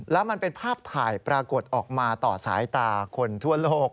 แล้วมันเป็นภาพถ่ายปรากฏออกมาต่อสายตาคนทั่วโลก